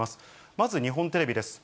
まず日本テレビです。